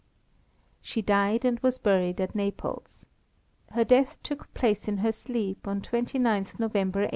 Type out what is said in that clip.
She died and was buried at Naples. Her death took place in her sleep, on 29th November 1872.